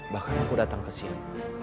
bahkan aku datang ke sini